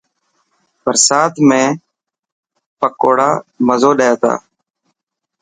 برستا ۾ پڪوڙا مزو ڏي تا.